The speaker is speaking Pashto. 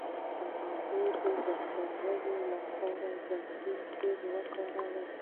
د غوږ د بندیدو لپاره د زیتون تېل وکاروئ